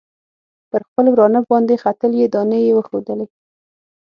پر خپل ورانه باندې ختلي دانې یې وښودلې.